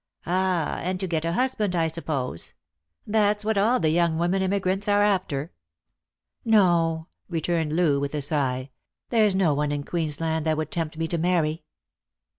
" Ah, and to get a husband, I suppose. That's what all the young women emigrants are after." " No," returned Loo, with a sigh. " There's no one in Queensland that would tempt me to marry."